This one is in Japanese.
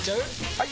・はい！